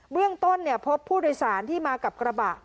เรื่องต้นพบผู้โดยสารที่มากับกระบะ